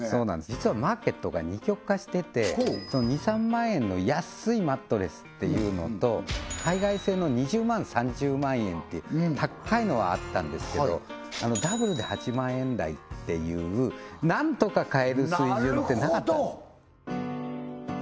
実はマーケットが二極化してて２３万円の安いマットレスっていうのと海外製の２０３０万円っていうたっかいのはあったんですけどダブルで８万円台っていうなんとか買える水準ってなかったんです